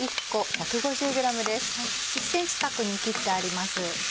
１ｃｍ角に切ってあります。